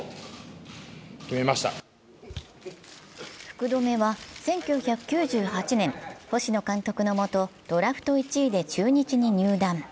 福留は１９９８年、星野監督のもとドラフト１位で中日に入団。